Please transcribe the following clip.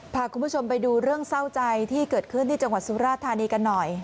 พาคุณผู้ชมไปดูเรื่องเศร้าใจที่เกิดขึ้นที่จังหวัดสุราธานีกันหน่อย